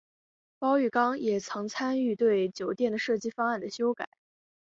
包玉刚也曾参与对酒店的设计方案的修改。